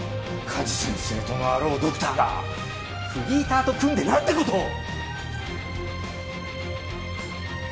加地先生ともあろうドクターがフリーターと組んでなんて事を！